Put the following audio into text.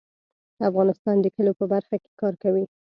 افغانستان د کلیو په برخه کې کار کوي.